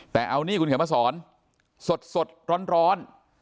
แต่เอานี่คุณเขียนมาสอนสดร้อน